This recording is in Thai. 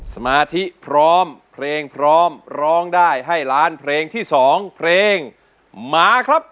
สมาธิพร้อมเพลงพร้อมร้องได้ให้ล้านเพลงที่๒เพลงมาครับ